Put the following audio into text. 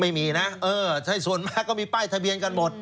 ไม่มีนะเออใช่ส่วนมากก็มีป้ายทะเบียนกันหมด